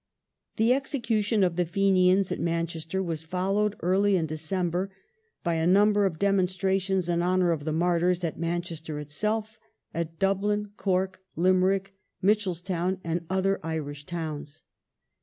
The execution of the Fenians at Manchester was followed early The Clerk in December by a number of demonstrations in honour of the unwell ex " Martyrs," at Manchester itself, at Dublin, Cork, Limerick, ^°^^" Mitchelstown, and other Irish towns.